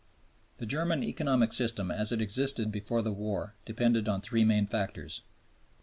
The German economic system as it existed before the war depended on three main factors: I.